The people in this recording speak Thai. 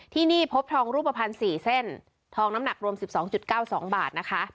ที่นี่พบทองรูปภัณฑ์๔เส้นทองน้ำหนักรวม๑๒๙๒บาทนะคะ